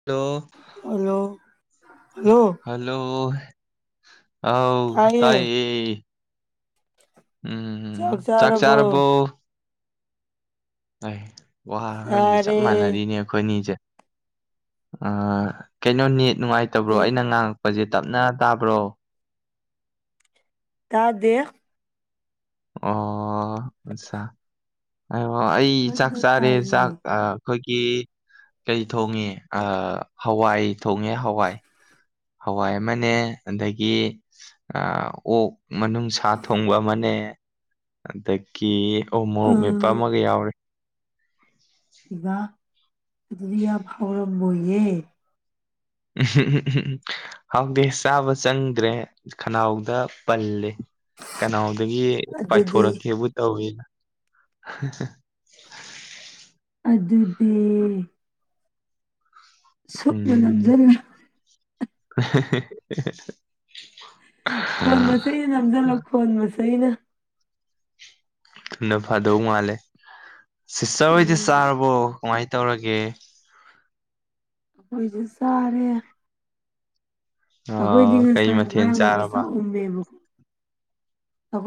hello hello hello ꯑꯥꯎ ꯇꯥꯏꯌꯦ ꯎꯝ ꯆꯥꯛ ꯆꯥꯔꯕꯣ ꯋꯥꯍꯪꯗꯤ ꯆꯞ ꯆꯥꯔꯦ ꯃꯥꯟꯅꯔꯤꯅꯦ ꯑꯩꯈꯣꯏꯅꯤꯖꯦ ꯀꯩꯅꯣ ꯅꯦꯠ ꯅꯨꯡꯉꯥꯏꯇꯕ꯭ꯔꯣ ꯑꯗꯩ ꯑꯩꯅ ꯉꯥꯡꯉꯛꯄꯖꯦ ꯇꯞꯅ ꯇꯥꯕ꯭ꯔꯣ ꯇꯥꯗꯦ ꯑꯣ ꯑꯠꯆꯥ ꯑꯣ ꯑꯩ ꯆꯥꯛ ꯀꯟꯅ ꯆꯥꯔꯦ ꯆꯥꯛ ꯇꯥꯏꯌꯦ ꯑꯩꯈꯣꯏꯒꯤ ꯀꯔꯤ ꯊꯣꯡꯉꯦ ꯑꯥ ꯍꯋꯥꯏ ꯊꯣꯡꯉꯦ ꯍꯋꯥꯏ ꯍꯋꯥꯏ ꯑꯃꯅꯦ ꯑꯗꯒꯤ ꯑꯣꯛ ꯃꯅꯨꯡ ꯁꯥ ꯊꯣꯡꯕ ꯑꯃꯅꯦ ꯑꯗꯒꯤ ꯎ ꯃꯣꯔꯣꯛ ꯃꯦꯠꯄ ꯎꯝ ꯑꯃꯒ ꯌꯥꯎꯔꯦ ꯏꯕ ꯑꯗꯨꯗꯤ ꯌꯥꯝ ꯍꯥꯎꯔꯝꯃꯣꯏꯌꯦ ꯎꯝ ꯎꯝ ꯎꯝ ꯎꯝ ꯎꯝ ꯍꯥꯎꯗꯦ ꯆꯥꯕ ꯆꯪꯗ꯭ꯔꯦ ꯈꯅꯥꯎꯗ ꯄꯜꯂꯦ ꯀꯅꯥꯎꯗꯒꯤ ꯑꯗꯨꯗꯤ ꯄꯥꯏꯊꯣꯔꯛꯀꯦꯕꯨ ꯇꯧꯋꯦ ꯑꯗꯨꯗꯤ ꯁꯨꯞꯅ ꯎꯝ ꯅꯝꯖꯜꯂ [unintelligible] ꯈꯣꯟ ꯃꯆꯩꯅ ꯅꯝꯖꯤꯜꯂꯣ ꯈꯣꯟ ꯃꯆꯩꯅ ꯊꯨꯅ ꯐꯥꯗꯧ ꯃꯥꯜꯂꯦ ꯁꯤꯁꯇꯔ ꯍꯣꯏꯗꯤ ꯎꯝ ꯆꯥꯔꯕꯣ ꯀꯃꯥꯏ ꯇꯧꯔꯒꯦ ꯑꯣꯈꯣꯏꯖꯨ ꯆꯥꯔꯦ ꯑ ꯑꯩꯈꯣꯏꯗꯤ ꯀꯩ ꯉꯁꯥꯏ ꯃꯊꯦꯜ ꯑꯉꯥꯡ ꯑꯃ ꯆꯥꯔꯕ ꯆꯥꯛ ꯎꯝ [unintelligible]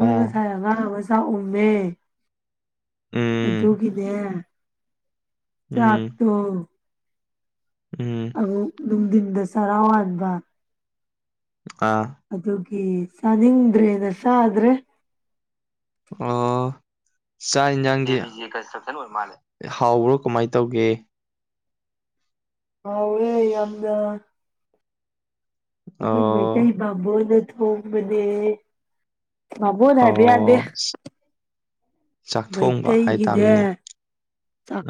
ꯑꯣ ꯉꯁꯥꯏ ꯑꯉꯥꯡ ꯑꯃ ꯆꯥꯛ ꯎꯃꯦ ꯎꯝ ꯑꯗꯨꯒꯤꯅꯦ ꯎꯝ ꯆꯥꯛꯇꯣ ꯎꯝ ꯑꯃꯨꯛ ꯅꯨꯡꯗꯤꯟꯗ ꯆꯔꯥ ꯋꯥꯟꯕ ꯑꯥ ꯑꯗꯨꯒꯤ ꯆꯥꯅꯤꯡꯗ꯭ꯔꯦꯅ ꯆꯥꯗ꯭ꯔꯦ ꯑꯣ ꯆꯥꯛ ꯍꯤꯟꯖꯥꯡꯗꯤ ꯍꯥꯎꯕ꯭ꯔꯣ ꯀꯃꯥꯏ ꯇꯧꯒꯦ ꯍꯥꯎꯋꯦ ꯌꯥꯝꯅ ꯑꯩꯈꯣꯏ ꯑꯣ ꯃꯩꯇꯩ ꯕꯥꯕꯣꯟꯅ ꯊꯣꯡꯕꯅꯦ ꯕꯥꯕꯣꯟ ꯍꯥꯏꯕ ꯌꯥꯗꯦ ꯑꯣ ꯆꯥꯛꯊꯣꯡꯕ ꯃꯩꯇꯩꯒꯤꯅꯦ ꯍꯥꯏꯇꯥꯥꯃꯤꯅꯦ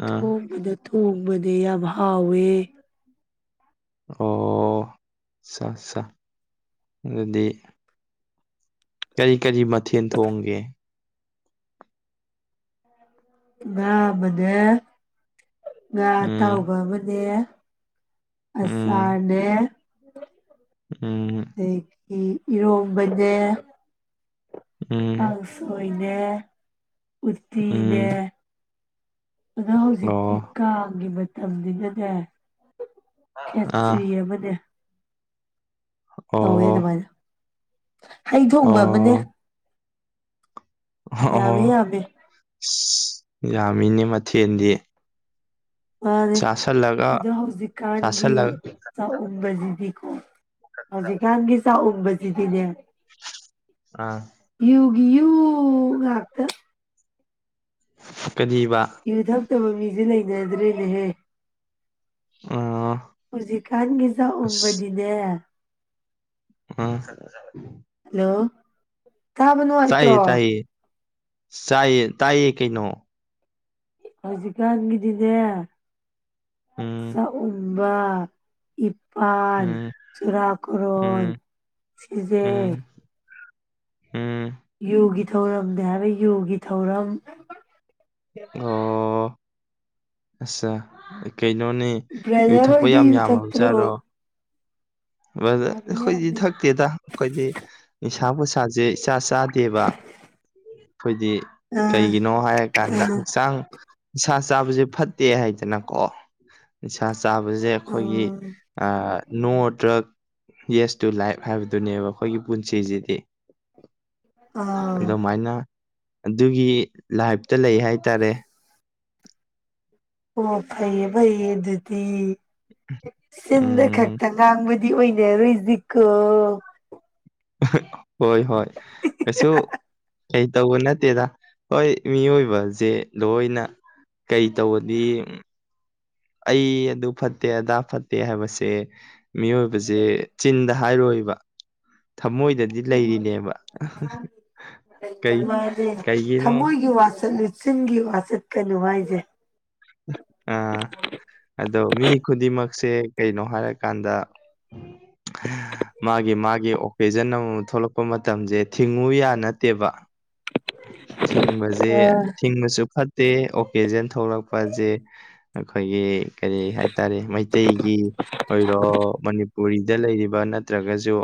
ꯑꯥ ꯊꯣꯡꯕꯅꯦ ꯌꯥꯝ ꯍꯥꯎꯋꯦ ꯑꯣ ꯁꯥ ꯁꯥ ꯑꯗꯨꯗꯤ ꯀꯔꯤ ꯀꯔꯤ ꯃꯊꯦꯜ ꯊꯣꯡꯒꯦ ꯉꯥ ꯑꯃꯅꯦ ꯉꯥ ꯎꯝ ꯑꯇꯥꯎꯕ ꯑꯃꯅꯦ ꯎꯝ ꯑꯆꯥꯔꯅꯦ ꯎꯝ ꯑꯗꯒꯤ ꯏꯔꯣꯝꯕꯅꯦ ꯎꯝ ꯀꯪꯁꯣꯏꯅꯦ ꯎꯠꯇꯤꯅꯦ ꯎꯝ ꯑꯗꯣ ꯍꯧꯖꯤꯛꯇꯤ ꯑꯣ ꯀꯥꯡꯒꯤ ꯃꯇꯝꯅꯤꯅꯅꯦ ꯑꯥ ꯈꯦꯆꯔꯤ ꯑꯃꯅꯦ ꯇꯧꯋꯦ ꯑꯣ ꯑꯗꯨꯃꯥꯏꯅ ꯍꯩ ꯊꯣꯡꯕ ꯑꯃꯅꯦ ꯑꯣ ꯑꯣ ꯌꯥꯝꯃꯦ ꯌꯥꯝꯃꯦ [unintelligible] ꯌꯥꯝꯃꯤꯅꯦ ꯃꯊꯦꯜꯗꯤ ꯃꯥꯅꯦ ꯆꯥꯁꯜꯂꯒ ꯑꯗꯣ ꯍꯧꯖꯤꯛꯀꯥꯟꯒꯤ ꯆꯥꯁꯜꯂꯒ ꯆꯥꯛꯎꯝꯕꯁꯤꯗꯤꯀꯣ ꯍꯧꯖꯤꯛꯀꯥꯟꯒꯤ ꯆꯥꯛꯎꯝꯕꯁꯤꯗꯤꯅꯦ ꯑꯥ ꯌꯨꯒꯤ ꯌꯨ ꯉꯥꯛꯇꯥ ꯀꯔꯤꯕ ꯌꯨ ꯊꯛꯇꯕ ꯃꯤꯁꯦ ꯂꯩꯅꯗ꯭ꯔꯦꯅꯦꯍꯦ ꯑꯥ ꯍꯧꯖꯤꯛꯀꯥꯟꯒꯤ ꯑꯁ ꯆꯥꯎꯝꯕꯗꯤꯅꯦ ꯑ [unintelligible] ꯍꯜꯂꯣ ꯇꯥꯕ ꯆꯥꯏꯌꯦ ꯅꯨꯡꯉꯥꯏꯇ꯭ꯔꯣ ꯇꯥꯏꯌꯦ ꯆꯥꯏꯌꯦ ꯇꯥꯏꯌꯦ ꯀꯩꯅꯣ ꯍꯧꯖꯤꯛꯀꯥꯟꯒꯤꯗꯤꯅꯦ ꯎꯝ ꯆꯥꯛꯎꯝꯕ ꯏꯄꯥꯜ ꯎꯝ ꯆꯨꯔꯥ ꯀꯣꯔꯣꯟ ꯎꯝ ꯁꯤꯖꯦ ꯎꯝ ꯎꯝ ꯌꯣꯒꯤ ꯊꯧꯔꯝꯅꯦ ꯍꯥꯏꯕ ꯌꯣꯒꯤ ꯊꯧꯔꯝ ꯑꯣ ꯑꯁꯁ ꯀꯩꯅꯣꯅꯦ ꯌꯨ ꯕ꯭ꯔꯗꯔ ꯊꯛꯄ ꯍꯣꯏꯗꯤ ꯌꯥꯝ ꯌꯨ ꯌꯥꯝꯃꯕ ꯆꯥꯠꯔꯣ ꯊꯛꯇ꯭ꯔꯣ ꯌꯥꯝꯃꯤ ꯑꯩꯈꯣꯏꯗꯤ ꯌꯥꯝꯃꯤ ꯊꯛꯇꯦꯗ ꯑꯩꯈꯣꯏꯗꯤ ꯅꯤꯁꯥ ꯄꯨꯁꯥꯁꯦ ꯆꯥ ꯆꯥꯗꯦꯕ ꯑꯩꯈꯣꯏꯗꯤ ꯑꯥ ꯀꯩꯒꯤꯅꯣ ꯍꯥꯏꯔꯀꯥꯟꯗ ꯍꯛꯆꯥꯡ ꯅꯤꯁꯥ ꯆꯥꯕꯁꯦ ꯐꯠꯇꯦ ꯍꯥꯏꯗꯅꯀꯣ ꯅꯤ ꯆꯥꯕꯁꯦ ꯑꯩꯈꯣꯏꯒꯤ ꯎꯝ not drug yes to life ꯍꯥꯏꯕꯗꯨꯅꯦꯕ ꯑꯩꯈꯣꯏꯒꯤ ꯄꯨꯟꯁꯤꯁꯤꯗꯤ ꯑꯥ ꯑꯗꯨꯃꯥꯏꯅ ꯑꯗꯨꯒꯤ ꯂꯥꯏꯞꯇ ꯂꯩ ꯍꯥꯏꯇꯥꯔꯦ ꯑꯣ ꯐꯩꯌꯦ ꯐꯩꯌꯦ ꯑꯗꯨꯗꯤ ꯆꯤꯟꯗ ꯎꯝ ꯈꯛꯇ ꯉꯥꯡꯕ ꯗꯤ ꯑꯣꯏꯅ ꯔꯣꯏꯖꯤꯀꯣ ꯍꯣꯏ ꯍꯣꯏ ꯀꯩꯁꯨ ꯀꯩ ꯇꯧꯕ ꯅꯠꯇꯦꯗ ꯍꯣꯏ ꯃꯤꯑꯣꯏꯕꯁꯦ ꯂꯣꯏꯅ ꯀꯩ ꯇꯧꯕꯗꯤ ꯑꯩ ꯑꯗꯨ ꯐꯠꯇꯦ ꯑꯗꯥ ꯐꯠꯇꯦ ꯍꯥꯏꯕꯁꯦ ꯃꯤꯑꯣꯏꯕꯁꯦ ꯆꯤꯟꯗ ꯍꯥꯏꯔꯣꯏꯕ ꯊꯃꯣꯏ ꯀꯩ ꯃꯅꯦ ꯀꯩꯒꯤꯅꯣ ꯊꯃꯣꯏꯒꯤ ꯋꯥꯆꯠꯂꯨ ꯆꯤꯟꯒꯤ ꯋꯥ ꯆꯠꯀꯅꯨ ꯍꯥꯏꯖꯦ ꯑꯥ ꯑꯗꯣ ꯃꯤ ꯈꯨꯗꯤꯡꯃꯛꯁꯦ ꯀꯩꯅꯣ ꯍꯥꯏꯔꯀꯥꯟꯗ [unintelligible] ꯃꯥꯒꯤ ꯃꯥꯒꯤ ꯑꯣꯀꯦꯖꯟ ꯑꯃꯃꯝ ꯊꯣꯛꯂꯛꯄ ꯃꯇꯝꯁꯦ ꯊꯤꯡꯉꯨ ꯌꯥ ꯅꯠꯇꯦꯕ ꯊꯤꯡꯕꯁꯦ ꯑꯥ ꯊꯤꯡꯕꯁꯨ ꯐꯠꯇꯦ ꯑꯣꯀꯦꯖꯟ ꯊꯣꯛꯂꯛꯄꯁꯦ ꯑꯩꯈꯣꯏꯒꯤ ꯀꯔꯤ ꯍꯥꯏꯇꯥꯔꯦ ꯃꯩꯇꯩꯒꯤ ꯑꯣꯏꯔꯣ ꯃꯅꯤꯄꯨꯔꯤꯗ ꯂꯩꯔꯤꯕ ꯅꯠꯇ꯭ꯔꯒꯁꯨ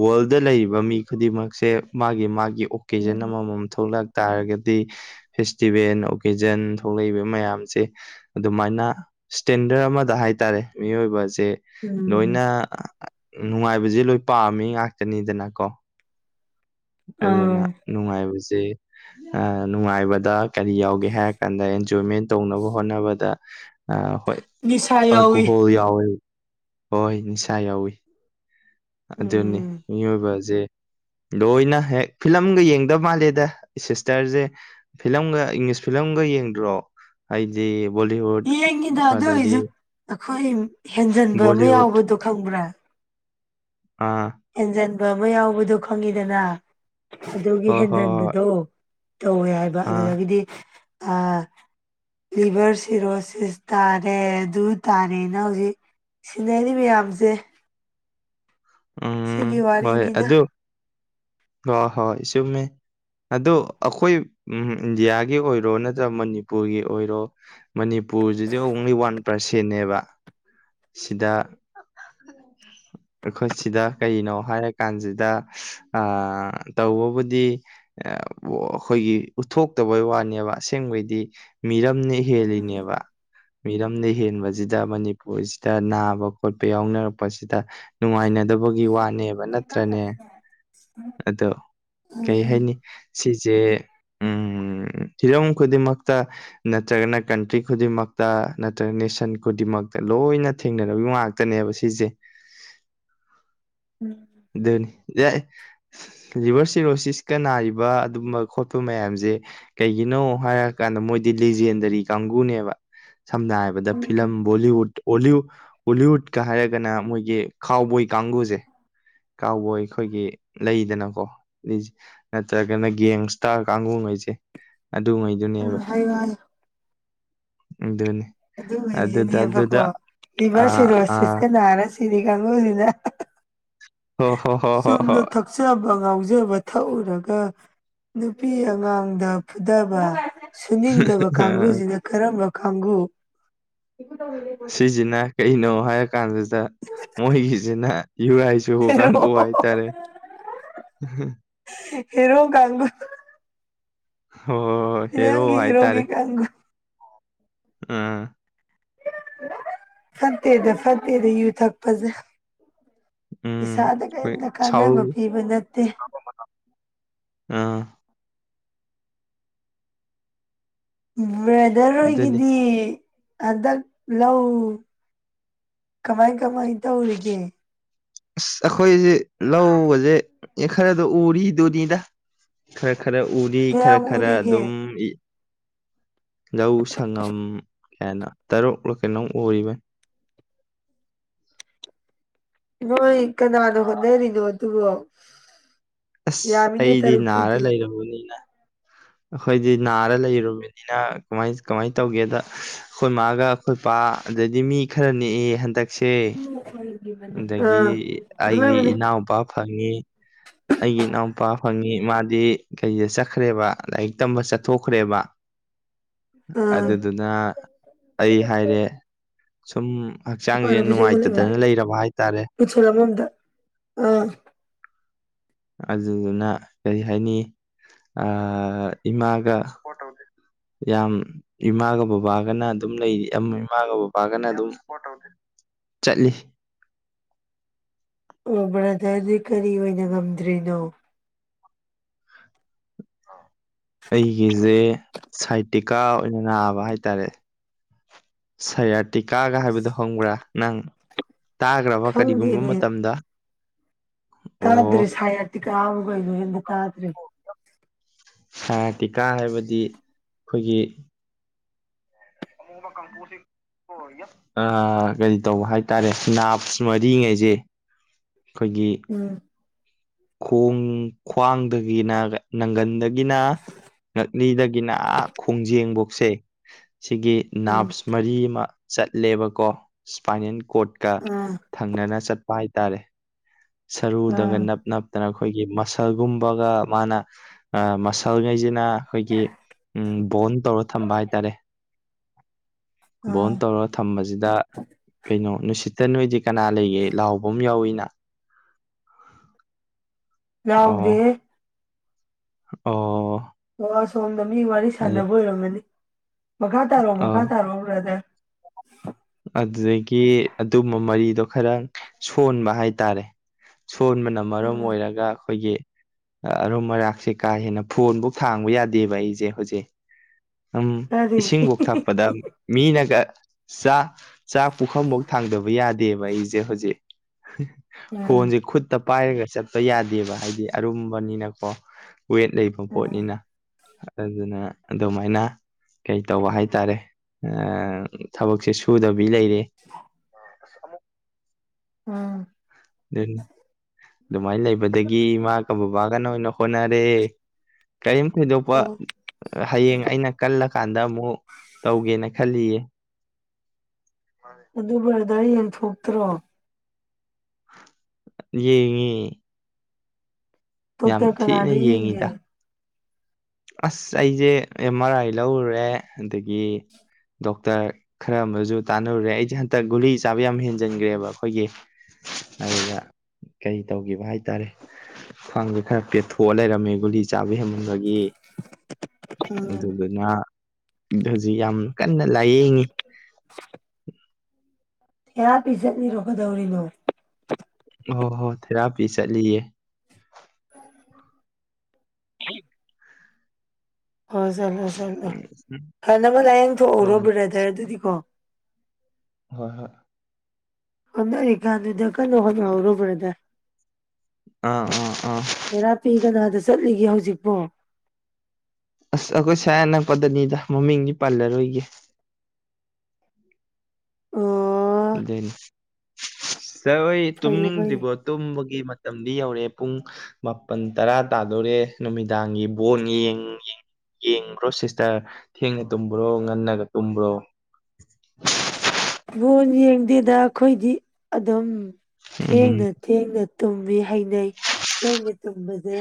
ꯋꯥꯔꯜꯗ ꯂꯩꯔꯤꯕ ꯃꯤ ꯈꯨꯗꯤꯡꯃꯛꯁꯦ ꯃꯥꯒꯤ ꯃꯥꯒꯤ ꯑꯣꯀꯦꯖꯟ ꯑꯃꯃꯝ ꯊꯣꯛꯂꯛ ꯇꯥꯔꯒꯗꯤ ꯐꯦꯁꯇꯤꯚꯦꯜ ꯑꯣꯀꯦꯖꯟ ꯊꯣꯛꯂꯛꯏꯕ ꯃꯌꯥꯝꯁꯦ ꯑꯗꯨꯃꯥꯏꯅ ꯁꯇꯦꯟꯗꯔ ꯑꯃꯗ ꯍꯥꯏꯇꯥꯔꯦ ꯃꯤꯑꯣꯏꯕꯁꯦ ꯎꯝ ꯂꯣꯏꯅ ꯅꯨꯡꯉꯥꯏꯕꯁꯦ ꯂꯣꯏ ꯄꯥꯝꯃꯤ ꯉꯥꯛꯇꯅꯤꯗꯅꯀꯣ ꯑꯗꯨꯅ ꯑꯥ ꯅꯨꯡꯉꯥꯏꯕꯁꯦ ꯅꯨꯡꯉꯥꯏꯕꯗ ꯀꯔꯤ ꯌꯥꯎꯒꯦ ꯍꯥꯏꯔ ꯀꯥꯟꯗ ꯑꯦꯟꯖꯣꯏꯃꯦꯟ ꯇꯧꯅꯕ ꯍꯣꯠꯅꯕꯗ ꯍꯣꯏ ꯅꯤꯁꯥ ꯌꯥꯎꯋꯤ ꯑꯜꯀꯣꯍꯣꯜ ꯌꯥꯎꯋꯤ ꯍꯣꯏ ꯅꯤꯁꯥ ꯌꯥꯎꯋꯤ ꯑꯗꯨꯅꯤ ꯎꯝ ꯃꯤꯑꯣꯏꯕꯁꯦ ꯂꯣꯏꯅ ꯍꯦꯛ ꯐꯤꯂꯝꯒ ꯌꯦꯡꯗꯕ ꯃꯥꯜꯂꯦꯗ ꯁꯤꯁꯇꯔꯁꯦ ꯐꯤꯂꯝꯒ ꯏꯪꯂꯤꯁ ꯐꯤꯂꯝꯒ ꯌꯦꯡꯗ꯭ꯔꯣ ꯑꯩꯗꯤ ꯕꯣꯂꯤꯍꯨꯠ ꯌꯦꯡꯉꯤꯗ ꯑꯗꯨ ꯑꯩꯁꯨ ꯑꯩꯈꯣꯏ ꯍꯦꯟꯖꯟꯕ ꯑꯃ ꯕꯣꯂꯤꯋꯨꯠ ꯌꯥꯎꯕꯗꯣ ꯈꯪꯕ꯭ꯔꯥ ꯑꯥ ꯍꯦꯟꯖꯟꯕ ꯑꯃ ꯌꯥꯎꯕꯗꯣ ꯈꯪꯉꯤꯗꯅ ꯑꯗꯨꯒꯤ ꯍꯣꯏ ꯍꯣꯏ ꯍꯣꯏ ꯍꯦꯟꯖꯟꯕꯗꯣ ꯇꯧꯋꯦ ꯍꯥꯏꯕ ꯑꯥ ꯑꯗꯨꯗꯒꯤꯗꯤ ꯑ ꯂꯤꯚꯔ ꯁꯤꯔꯣꯁꯤꯁ ꯇꯥꯔꯦ ꯑꯗꯨ ꯇꯥꯔꯦꯅ ꯍꯧꯖꯤꯛ ꯁꯤꯅꯔꯤ ꯃꯌꯥꯝꯁꯦ ꯎꯝ ꯁꯤꯒꯤ ꯍꯣꯏ ꯋꯥꯔꯤꯅꯤꯗ ꯑꯗꯨ ꯍꯣꯏ ꯍꯣꯏ ꯆꯨꯝꯃꯦ ꯑꯗꯣ ꯑꯩꯈꯣꯏ ꯏꯟꯗꯤꯌꯥꯒꯤ ꯑꯣꯏꯔꯣ ꯅꯠꯇ꯭ꯔꯒ ꯃꯅꯤꯄꯨꯔꯒꯤ ꯑꯣꯏꯔꯣ ꯃꯅꯤꯄꯨꯔꯁꯤꯗꯤ ꯑꯣꯡꯂꯤ ꯋꯥꯟ ꯄꯔꯁꯦꯟꯅꯦꯕ ꯁꯤꯗ ꯑꯩꯈꯣꯏꯁꯤꯗ ꯀꯩꯅꯣ ꯍꯥꯏꯔꯀꯥꯟꯁꯤꯗ ꯇꯧꯕꯕꯨꯗꯤ ꯑꯩꯈꯣꯏꯒꯤ ꯎꯠꯊꯣꯛꯇꯕꯩ ꯋꯥꯅꯦꯕ ꯑꯁꯦꯡꯕꯩꯗꯤ ꯃꯤꯔꯝꯅ ꯎꯝ ꯍꯦꯜꯂꯤꯅꯦꯕ ꯃꯤꯔꯝꯗ ꯍꯦꯟꯕꯁꯤꯗ ꯃꯅꯤꯄꯨꯔꯁꯤꯗ ꯅꯥꯕ ꯈꯣꯠꯄ ꯌꯥꯎꯅꯔꯛꯄꯁꯤꯗ ꯅꯨꯡꯉꯥꯏꯅꯗꯕꯒꯤ ꯋꯥꯅꯦꯕ ꯅꯠꯇ꯭ꯔꯅꯦ ꯑꯗꯣ ꯀꯩ ꯎꯝ ꯍꯥꯏꯅꯤ ꯁꯤꯁꯦ ꯎꯝ ꯍꯤꯔꯝ ꯈꯨꯗꯤꯡꯃꯛꯇ ꯅꯠꯇ꯭ꯔꯒꯅ ꯀꯟꯇ꯭ꯔꯤ ꯈꯨꯗꯤꯡꯃꯛꯇ ꯅꯠꯇ꯭ꯔꯒ ꯅꯦꯁꯟ ꯈꯨꯗꯤꯡꯃꯛꯇ ꯂꯣꯏꯅ ꯊꯦꯡꯅꯔꯔꯕ ꯉꯥꯛꯇ ꯈꯛꯇꯅꯦꯕ ꯁꯤꯁꯦ ꯎꯝ ꯑꯗꯨꯅꯤ [unintelligible] ꯂꯤꯚꯔ ꯁꯤꯔꯣꯁꯤꯁꯀ ꯅꯥꯔꯤꯕ ꯑꯗꯨꯝꯕ ꯈꯣꯠꯄ ꯃꯌꯥꯝꯁꯦ ꯀꯩꯒꯤꯅꯣ ꯍꯥꯏꯔꯀꯥꯟꯗ ꯃꯣꯏꯗꯤ ꯂꯤꯦꯖꯦꯟꯗꯔꯤ ꯀꯥꯡꯕꯨꯅꯦꯕ ꯁꯝꯅ ꯍꯥꯏ ꯍꯥꯏꯕꯗ ꯐꯤꯂꯝ ꯕꯣꯂꯤꯋꯨꯠ ꯑꯣꯣꯂꯤꯋꯨꯗꯀ ꯍꯥꯏꯔꯒꯅ ꯃꯣꯏꯒꯤ ꯀꯥꯎꯕꯣꯏ ꯀꯥꯡꯒꯨꯁꯦ ꯀꯥꯎꯕꯣꯏ ꯑꯩꯈꯣꯏꯒꯤ ꯂꯩꯗꯅꯀꯣ ꯅꯠꯇ꯭ꯔꯒꯅ ꯒꯦꯡꯁꯇꯥꯔ ꯀꯥꯡꯒꯨꯉꯩꯁꯦ ꯑꯗꯨꯉꯥꯏꯗꯨꯅꯦꯕ ꯎꯝ ꯍꯥꯏꯌꯨ ꯍꯥꯏꯌꯨ ꯑꯗꯨꯅꯤ ꯑꯗꯨꯗ ꯑꯗꯨꯉꯩꯁꯤꯅꯦꯕꯀꯣ ꯑꯗꯨꯗ ꯂꯤꯚꯔ ꯑꯥ ꯑꯥ ꯁꯤꯦꯔꯣꯁꯤꯁꯀ ꯅꯥꯔꯁꯤꯔꯝ ꯀꯥꯡꯕꯨꯁꯤꯅ ꯍꯣ ꯍꯣ ꯍꯣ ꯍꯣ ꯆꯨꯝꯅ ꯍꯣꯏ ꯊꯛꯆꯕ ꯉꯥꯎꯖꯕ ꯊꯛꯎꯔꯒ ꯅꯨꯄꯤ ꯑꯉꯥꯡꯗ ꯐꯨꯊꯕ ꯁꯨꯅꯤꯡꯗꯕ ꯀꯥꯡꯕꯨꯁꯤꯅ ꯀꯔꯝꯕ ꯀꯥꯡꯕꯨ ꯑꯁꯤꯁꯤꯅ ꯀꯩꯅꯣ ꯍꯥꯏꯔ ꯀꯥꯟꯁꯤꯗ ꯃꯣꯏꯒꯤꯁꯤꯅ ꯌꯨꯔꯥꯏ ꯍꯦꯔꯣ [unintelligible] ꯍꯦꯔꯣ ꯀꯥꯡꯒꯨ ꯑꯣ ꯍꯦꯔꯣ ꯐꯤꯂꯝꯒꯤ ꯍꯥꯏꯇꯥꯔꯦ ꯍꯦꯔꯣꯒꯤ ꯀꯥꯡꯕꯨ ꯑꯝ ꯐꯠꯇꯦꯗ ꯐꯠꯇꯦꯗ ꯌꯨ ꯊꯛꯄꯁꯦ ꯎꯝ ꯏꯁꯥꯗ ꯍꯣꯏ ꯀꯔꯤꯝꯇ ꯁꯥꯎꯔꯨ ꯀꯥꯟꯅꯕ ꯄꯤꯕ ꯅꯠꯇꯦ ꯑꯝ ꯕꯗꯔ ꯑꯗꯨꯅꯤ ꯍꯣꯏꯒꯤꯗꯤ ꯍꯟꯗꯛ ꯂꯧ ꯀꯃꯥꯏ ꯀꯃꯥꯏ ꯇꯧꯔꯤꯒꯦ ꯑꯁ ꯑꯩꯈꯣꯏꯁꯦ ꯂꯧ ꯎꯕꯁꯦ ꯑꯦ ꯈꯔꯗꯣ ꯎꯔꯤꯗꯨꯅꯤꯗ ꯈꯔ ꯈꯔ ꯎꯔꯤ ꯈꯔ ꯀꯌꯥꯝ ꯈꯔ ꯎꯔꯤꯒꯦ ꯑꯗꯨꯝ ꯂꯧ ꯁꯉꯝ ꯀꯩꯥꯅꯣ ꯇꯔꯨꯛꯂ ꯀꯩꯅꯣ ꯎꯔꯤꯕꯅꯤ ꯍꯣꯏ ꯀꯅꯥꯅꯣ ꯍꯣꯠꯅꯔꯤꯅꯣ ꯑꯗꯨꯕꯨ ꯑꯁ ꯑꯩꯗꯤ ꯅꯥꯔ ꯂꯩꯔꯕꯅꯤꯅ ꯑꯩꯈꯣꯏꯗꯤ ꯅꯥꯔ ꯂꯩꯔꯨꯕꯅꯤꯅ ꯀꯃꯥꯏ ꯀꯃꯥꯏꯅ ꯇꯧꯒꯦꯗ ꯑꯩꯈꯣꯏ ꯃꯥꯒ ꯑꯩꯈꯣꯏ ꯄꯥ ꯑꯗꯩꯗꯤ ꯃꯤ ꯈꯔ ꯅꯦꯛꯑꯦ ꯍꯟꯗꯛꯁꯦ ꯑ ꯑꯗꯒꯤ ꯑꯩꯒꯤ [unintelligible] ꯏꯅꯥꯎꯄꯥ ꯐꯪꯉꯤ ꯑꯩꯒꯤ ꯏꯅꯥꯎꯄꯥ ꯐꯪꯉꯤ ꯃꯥꯗꯤ ꯀꯔꯤꯗ ꯆꯠꯈ꯭ꯔꯦꯕ ꯂꯥꯏꯔꯤꯛ ꯇꯝꯕ ꯆꯠꯊꯣꯛꯈ꯭ꯔꯦꯕ ꯑꯥ ꯑꯗꯨꯗꯨꯅ ꯑꯩ ꯍꯥꯏꯔꯦ ꯁꯨꯝ ꯍꯛꯆꯥꯡꯁꯦ ꯅꯨꯡꯉꯥꯏꯇꯗꯅ ꯂꯩꯔꯕ ꯍꯥꯏꯇꯥꯔꯦ ꯄꯆꯂ [unintelligible] ꯑꯃꯗ ꯑꯥ ꯑꯗꯨꯗꯨꯅ ꯀꯔꯤ ꯍꯥꯏꯅꯤ ꯑꯥ ꯏꯃꯥꯒ ꯌꯥꯝ ꯏꯃꯥꯒ ꯕꯕꯥꯒꯅ ꯑꯗꯨꯝ ꯂꯩꯔꯤ ꯑꯃ ꯏꯃꯥꯒ ꯕꯕꯥꯒꯅ ꯑꯗꯨꯝ ꯆꯠꯂꯤ ꯑꯣ ꯕ꯭ꯔꯗꯔꯗꯤ ꯀꯔꯤ ꯑꯣꯏꯅ ꯉꯝꯗ꯭ꯔꯤꯅꯣ ꯑꯩꯒꯤꯁꯦ ꯁꯥꯏꯇꯤꯀꯥ ꯑꯣꯏꯅ ꯅꯥꯕ ꯍꯥꯏꯇꯥꯔꯦ ꯁꯌꯥꯔꯇꯤꯀꯥꯒ ꯍꯥꯏꯕꯗꯣ ꯈꯪꯕ꯭ꯔꯥ ꯅꯪ ꯇꯥꯒ꯭ꯔꯕ ꯀꯔꯤꯒꯨꯝꯕ ꯈꯪꯗꯦꯅꯦ ꯃꯇꯝꯗ ꯑꯣ ꯇꯥꯗ꯭ꯔꯦ ꯁꯌꯥꯔꯇꯤꯕꯨ ꯀꯩꯅꫭ ꯑꯃꯇꯥ ꯇꯥꯗ꯭ꯔꯤ ꯁꯌꯥꯔꯇꯤꯀꯥ ꯍꯥꯏꯕꯗꯤ ꯑꯩꯈꯣꯏꯒꯤ ꯑꯃꯨ ꯑꯃ ꯀꯥꯡꯄꯨꯁꯤ [unintelligible] ꯑꯥ ꯀꯔꯤ ꯇꯧꯕ ꯍꯥꯏꯇꯥꯔꯦ ꯅꯥꯞꯁ ꯃꯔꯤꯒꯩꯁꯦ ꯑꯩꯈꯣꯏꯒꯤ ꯎꯝ ꯈꯣꯡ ꯈ꯭ꯋꯥꯡꯗꯒꯤꯅ ꯅꯪꯒꯟꯔ ꯗꯒꯤꯅ ꯉꯛꯂꯤꯗꯒꯤꯅ ꯑꯥ ꯈꯣꯡꯖꯦꯡꯐꯧꯁꯦ ꯁꯤꯒꯤ ꯎꯝ ꯅꯥꯞꯁ ꯃꯔꯤ ꯑꯃ ꯆꯠꯂꯦꯕꯀꯣ ꯏꯁꯄꯥꯏꯅꯜ ꯀꯣꯔꯠꯀ ꯑꯥ ꯊꯪꯅꯅ ꯆꯠꯄ ꯍꯥꯏꯇꯥꯔꯦ ꯁꯔꯨꯗꯒ ꯑꯥ ꯅꯞ ꯅꯞꯇꯅ ꯑꯩꯈꯣꯏꯒꯤ ꯃꯁꯜꯒꯨꯝꯕꯒ ꯃꯥꯅ ꯑꯥ ꯃꯁꯜꯒꯩꯁꯤꯅ ꯑꯩꯈꯣꯏꯒꯤ ꯎꯝ ꯕꯣꯟ ꯇꯧꯔ ꯊꯝꯕ ꯍꯥꯏꯇꯥꯔꯦ ꯕ‌ꫭꯟ ꯑꯥ ꯇꯧꯔꯥ ꯊꯝꯕꯁꯤꯗ ꯀꯩꯅꯣ ꯅꯨꯡꯁꯤꯠꯇ ꯅꯣꯏꯗꯤ ꯀꯅꯥ ꯂꯩꯒꯦ ꯂꯥꯎꯕꯝ ꯑꯃ ꯌꯥꯎꯏꯤꯅ ꯑꯣ ꯂꯥꯎꯗ‌ꯦꯍ‌‌ꯦ ꯑꯣ ꯑꯣ ꯑꯁꯣꯝꯗ ꯃꯤ ꯋꯥꯔꯤ ꯑꯗꯨ ꯁꯥꯟꯅꯕ ꯑꯣꯏꯔꯝꯃꯅꯤ ꯃꯈꯥ ꯇꯥꯔꯛꯑꯣ ꯃꯈꯥ ꯑꯥ ꯇꯥꯔꯛꯑꯣ ꯕ꯭ꯔꯥꯗꯔ ꯑꯗꯨꯗꯒꯤ ꯑꯗꯨꯝꯕ ꯃꯔꯤꯗꯣ ꯈꯔ ꯁꯣꯟꯕ ꯍꯥꯏꯇꯥꯔꯦ ꯁꯣꯟꯕꯅ ꯃꯔꯝ ꯎꯝ ꯑꯣꯏꯔꯒ ꯑꯩꯈꯣꯏꯒꯤ ꯑꯔꯨꯝ ꯑꯔꯥꯛꯁꯦ ꯀꯥ ꯍꯦꯟꯅ ꯐꯣꯟꯐꯧ ꯊꯥꯡꯕ ꯌꯥꯗꯦꯕ ꯑꯩꯁꯦ ꯍꯧꯖꯤꯛ ꯎꯝ ꯀꯔꯤ ꯏꯁꯤꯡꯕꯨꯛ ꯊꯥꯛꯄꯗ ꯃꯤꯅꯒ ꯆꯥ ꯆꯥꯛ ꯄꯨꯈꯝꯐꯧ ꯊꯥꯡꯗꯕ ꯌꯥꯗꯦꯕ ꯑꯩꯁꯦ ꯍꯧꯖꯤꯛ ꯎꯝ ꯐꯣꯟꯁꯦ ꯈꯨꯠ ꯈꯨꯠꯇ ꯄꯥꯏꯔꯒ ꯆꯠꯄ ꯌꯥꯗꯦꯕ ꯍꯥꯏꯗꯤ ꯑꯔꯨꯝꯕꯅꯤꯅꯀꯣ ꯋꯦꯠ ꯂꯩꯕ ꯎꯝ ꯄꯣꯠꯅꯤꯅ ꯑꯗꯨꯅ ꯑꯗꯨꯃꯥꯏꯅ ꯀꯩꯇꯧꯕ ꯍꯥꯏꯇꯥꯔꯦ ꯑꯥ ꯊꯕꯛꯁꯦ ꯁꯨꯗꯕꯤ ꯂꯩꯔꯦ [unintelligible] ꯑ ꯑꯃꯨꯛ [unintelligible] ꯎꯝ ꯑꯗꯨ ꯑꯗꯨꯃꯥꯏꯅ ꯂꯩꯕꯗꯒꯤ ꯏꯃꯥꯒ ꯕꯕꯥꯒꯅ ꯑꯣꯏꯅ ꯍꯣꯠꯅꯔꯦ ꯀꯔꯤꯝ ꯊꯣꯏꯗꯣꯛꯄ ꯑꯣ ꯍꯌꯦꯡ ꯑꯩꯅ ꯀꯜꯂꯀꯥꯟꯗ ꯑꯃꯨꯛ ꯇꯧꯒꯦꯅ ꯈꯜꯂꯤꯌꯦ ꯑꯗꯨ ꯕꯔꯗꯔ ꯌꯦꯡꯊꯣꯛꯇ꯭ꯔꯣ ꯌꯦꯡꯉꯤ ꯌꯥꯝ ꯗꫭꯛꯇꯔ ꯊꯤꯅ ꯀꯅꯥꯗ ꯌꯦꯡꯉꯤꯗ ꯌ‌ꯦꯡꯒ‌ꯦ ꯑꯁ ꯑꯩꯁꯦ ꯑꯦꯝ ꯑꯥꯔ ꯑꯥꯏ ꯂꯧꯔꯨꯔꯦ ꯑꯗꯒꯤ ꯗꯣꯛꯇꯔ ꯈꯔ ꯑꯃꯁꯨ ꯇꯥꯟꯅꯔꯨꯔꯦ ꯑꯩꯁꯦ ꯍꯟꯗꯛ ꯒꯨꯂꯤ ꯆꯥꯕ ꯌꯥꯝ ꯍꯦꯟꯖꯤꯟꯈ꯭ꯔꯦꯕ ꯑꯩꯈꯣꯏꯒꯤ ꯑꯗꯨꯗ ꯀꯩꯔꯤ ꯇꯧꯈꯤꯕ ꯍꯥꯏꯇꯥꯔꯦ ꯈ꯭ꯋꯥꯡꯁꯦ ꯈꯔ ꯄꯦꯊꯣꯛꯑ ꯂꯩꯔꯝꯃꯦ ꯒꯨꯂꯤ ꯆꯥꯕ ꯍꯦꯟꯃꯟꯕꯒꯤ ꯎꯝ ꯑꯗꯨꯗꯨꯅ ꯁꯤꯗ ꯍꯧꯖꯤꯛ ꯌꯥꯝ ꯀꯟꯅ ꯂꯥꯏꯌꯦꯡꯉꯤ ꯌꯥ ꯄꯤꯤꯁꯠꯅꯤ ꯔꯣꯀꯣꯗꯧꯔꯤ ꯂꯣ ꯑꯣ ꯍꯣ ꯊꯦꯔꯥꯄꯤ ꯆꯠꯂꯤꯌꯦ ꯎ ꯑꯣ ꯆꯠꯂꯣ ꯆꯠꯂꯣ ꯐꯅꯅꯕ ꯂꯥꯏꯌꯦꯡꯊꯎꯔꯣ ꯎꯝ ꯕ꯭ꯔꯥꯗꯔ ꯑꯗꯨꯗꯤꯀꯣ ꯍꯣꯏ ꯍꯣꯏ ꯑꯣꯅꯔꯤꯀꯥꯟꯗꯨꯗ ꯀꯟꯏ ꯍꯣꯠꯅꯍꯧꯔꯣ ꯕꯔꯗ ꯑꯥ ꯑꯥ ꯑꯥꯢ ꯊꯦꯔꯥꯄꯤ ꯀꯅꯥꯗ ꯆꯠꯂꯤꯒꯦ ꯍꯧꯖꯤꯛꯄꯣ ꯑꯁ ꯑꯩꯈꯣꯏ ꯁꯌꯥ ꯑ ꯅꯛꯄꯗꯅꯤꯗ ꯃꯃꯤꯡꯗꯤ ꯄꯥꯜꯂꯔꯣꯏꯒꯦ ꯑ ꯑꯗꯨꯅꯦ ꯁꯥꯔ ꯍꯣꯏ ꯐꯩꯌꯦ ꯐꯩꯌꯦ ꯇꯨꯝꯅꯤꯡꯗ꯭ꯔꯤꯕꯣ ꯇꯨꯝꯕꯒꯤ ꯃꯇꯝꯗꯤ ꯌꯧꯔꯛꯑꯦ ꯄꯨꯡ ꯃꯥꯄꯜ ꯇꯔꯥ ꯇꯥꯗꯣꯔꯦ ꯅꯨꯃꯤꯗꯥꯡꯒꯤ ꯕꯣꯟꯡ ꯌꯦꯡꯕ꯭ꯔꯣ ꯁꯤꯁꯇꯔ ꯊꯦꯡꯅ ꯇꯨꯝꯕ꯭ꯔꯣ ꯉꯟꯅꯒ ꯇꯨꯝꯕ꯭ꯔꯣ ꯂꯣꯟ ꯌꯦꯡꯗꯦꯗ ꯑꯩꯈꯣꯏꯗꯤ ꯑꯗꯨꯝ ꯎꯝ ꯊꯦꯡꯅ ꯊꯦꯡꯅ ꯇꯨꯝꯃꯤ ꯍꯩꯅꯩ ꯊꯦꯡꯅ ꯇꯨꯝꯕꯁꯦ